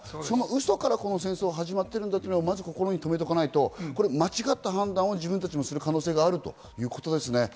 そのウソからこの戦争、始まっているんだということをまず心に留めておかないと間違った判断を自分たちもする可能性があるということですね。